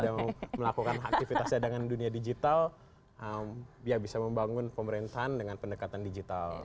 jadi misalnya kita bisa berpikirnya dengan dunia digital ya bisa membangun pemerintahan dengan pendekatan digital